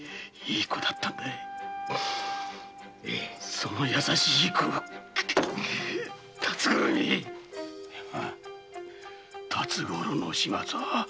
その優しい娘を辰五郎め辰五郎の始末はおれ